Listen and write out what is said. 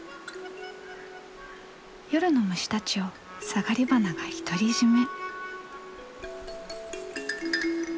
夜の虫たちをサガリバナが独り占め。